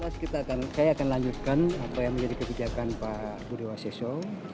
saya akan lanjutkan apa yang menjadi kebijakan pak budi waseso